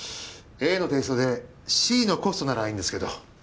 ＡのテイストでＣのコストならいいんですけど。